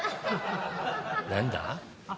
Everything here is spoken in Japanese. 「何だ？